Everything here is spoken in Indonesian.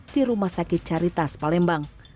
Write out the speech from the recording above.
di rumah sakit caritas palembang